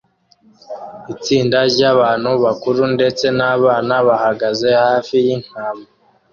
Itsinda ryabantu bakuru ndetse nabana bahagaze hafi yintama